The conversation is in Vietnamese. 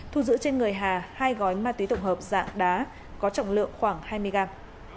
thu giữ trên người hà hai gói ma túy tổng hợp dạng đá có trọng lượng khoảng hai mươi gram